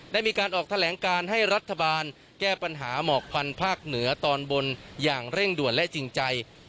ได้มีการออกแถลงการให้รัฐบาลแก้ปัญหาหมอกควันภาคเหนือตอนบนอย่างเร่งด่วนและจริงใจ